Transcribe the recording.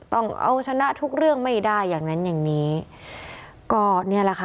ต้องเอาชนะทุกเรื่องไม่ได้อย่างนั้นอย่างนี้ก็เนี่ยแหละค่ะ